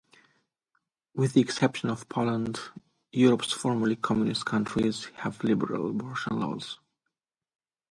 With the exception of Poland, Europe's formerly Communist countries have liberal abortion laws.